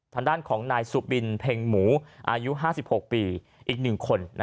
ทางด้านของนายสุบินเพ็งหมูอายุ๕๖ปีอีก๑คน